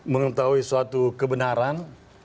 mengetahui suatu kebenaran